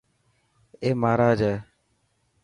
اي مهراج هي.